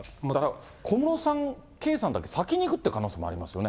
小室圭さんだけ先に行くっていう可能性ありますよね。